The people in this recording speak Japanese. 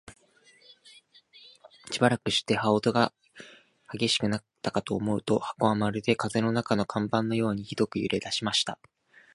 しばらくして、羽音が烈しくなったかと思うと、箱はまるで風の中の看板のようにひどく揺れだしました。